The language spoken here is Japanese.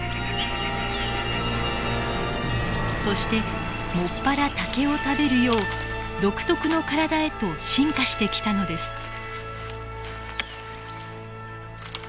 そして専ら竹を食べるよう独特の体へと進化してきたのです。